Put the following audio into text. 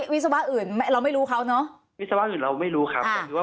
วิศวะอื่นเราไม่รู้เขาเนอะวิศวะอื่นเราไม่รู้ครับ